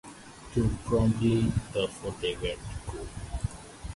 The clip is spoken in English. To Pemberley, therefore, they were to go.